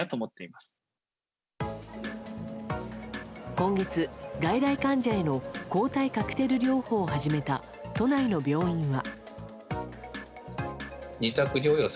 今月、外来患者への抗体カクテル療法を始めた都内の病院は。